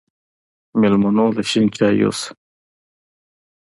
مېلمنو له شين چای يوسه